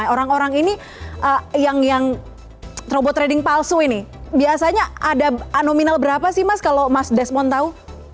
orang orang ini yang robot trading palsu ini biasanya ada nominal berapa sih mas kalau mas desmond tahu